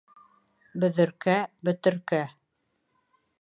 Бөҙөркә, бөтөркә.